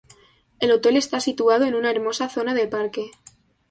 El hotel está situado en una hermosa zona de parque.